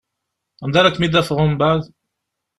Anda ara kem-id-afeɣ umbeɛd?